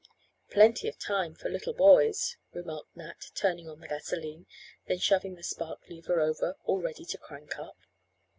"Plenty of time for little boys," remarked Nat, turning on the gasoline, then shoving the spark lever over, all ready to crank up.